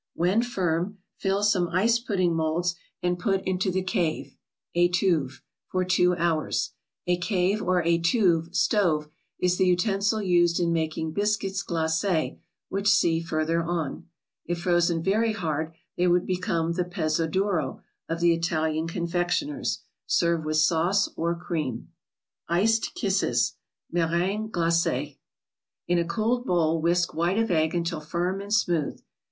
When firm, fill some ice pudding molds, and put into the cave (Jtuve) for two hours. A cave or ituve (stove) is the utensil used in making biscuits glacts, which see further on. If frozen very hard, they would become the pezzo duro , of the Italian confec¬ tioners. Serve with sauce, or cream. 31cetJ iMssgeg (^ertugucg (Blaccs). In a cooled bowl whisk white of egg until firm and smooth.